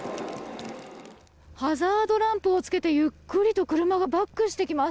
ハザードランプをつけて車がゆっくりとバックしてきます。